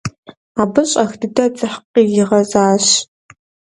Абы щӀэх дыдэ дзыхь къызигъэзащ.